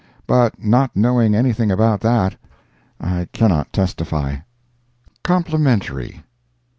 But not knowing anything about that, I cannot testify. Complimentary.